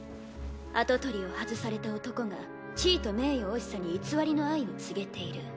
跡取りを外された男が地位と名誉惜しさに偽りの愛を告げている。